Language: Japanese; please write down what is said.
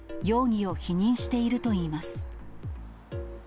容疑を否認しているといいます。